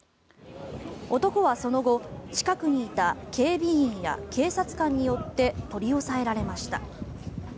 男はその後、近くにいた警備員や警察官によって取り押さえられました。